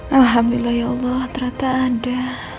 alhamdulillah ya allah ternyata ada